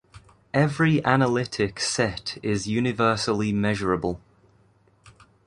Every analytic set is universally measurable.